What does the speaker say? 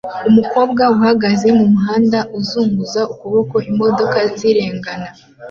Umukobwa ahagaze mumuhanda azunguza ukuboko imodoka zirengana